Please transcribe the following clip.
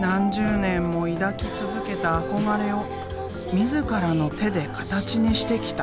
何十年も抱き続けた憧れを自らの手でカタチにしてきた。